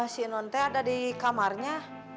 si nonte ada di kamarnya